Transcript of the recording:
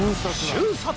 瞬殺！